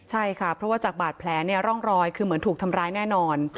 ใช่ค่ะเพราะว่าจากบาดแผลเนี่ยร่องรอยคือเหมือนถูกทำร้ายแน่นอน